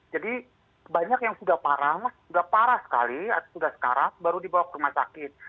jadi banyak yang sudah parah sudah parah sekali atau sudah sekarang baru dibawa ke rumah sakit